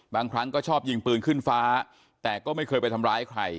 บางครั้งก็ชอบยิงปืนขึ้นฟ้าแต่ก็ไม่เคยไปทำร้ายใคร